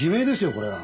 これは。